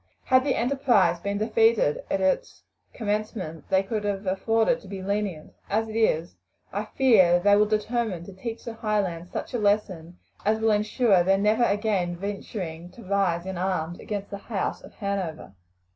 Had the enterprise been defeated at its commencement they could have afforded to be lenient. As it is, I fear that they will determine to teach the Highlands such a lesson as will ensure their never again venturing to rise in arms against the house of Hanover."